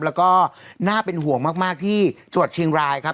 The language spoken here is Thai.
แล้วก็น่าเป็นห่วงมากที่จังหวัดเชียงรายครับ